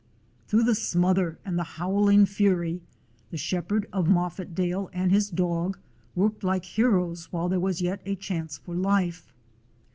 Through the smother and the howling fury the shepherd of Moffatdale and his dog worked like heroes 134 A DOG OF SCOTLAND while there was yet a chance for life.